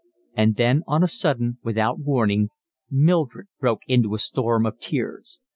And then on a sudden, without warning, Mildred broke into a storm of tears.